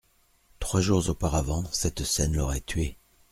Trois jours auparavant, cette scène l'aurait tué.